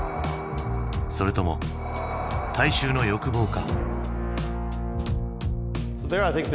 それとも大衆の欲望か？